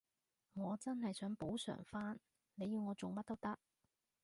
我真係想補償返，你要我做乜都得